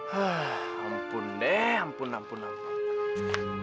hah ampun deh ampun ampun